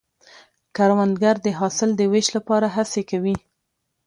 کروندګر د حاصل د ویش لپاره هڅې کوي